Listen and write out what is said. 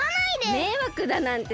めいわくだなんてそんな。